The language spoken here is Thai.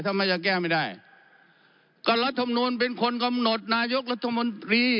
ทำไมจะแก้ไม่ได้ก็รัฐมนูลเป็นคนกำหนดนายกรัฐมนตรี